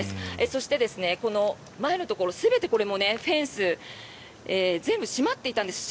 そして、前のところ全てこれもフェンス全部閉まっていたんです。